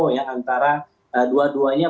duo yang antara dua duanya